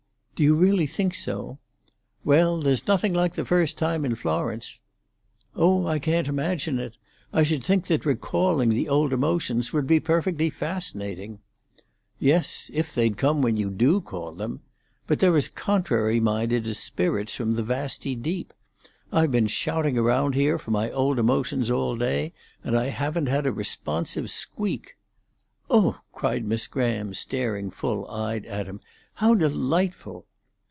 "Do you really think so?" "Well, there's nothing like the first time in Florence." "Oh, I can't imagine it. I should think that recalling the old emotions would be perfectly fascinating." "Yes, if they'd come when you do call them. But they're as contrary minded as spirits from the vasty deep. I've been shouting around here for my old emotions all day, and I haven't had a responsive squeak." "Oh!" cried Miss Graham, staring full eyed at him. "How delightful!"